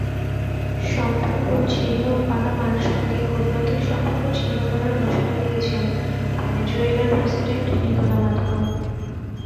সম্পর্ক ছিন্নপানামার সঙ্গে কূটনৈতিক সম্পর্ক ছিন্ন করার ঘোষণা দিয়েছেন ভেনেজুয়েলার প্রেসিডেন্ট নিকোলা মাদুরো।